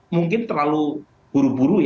mungkin terlalu buru buru